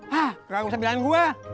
hah gak usah bilangin gue